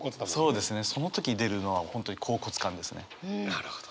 なるほど。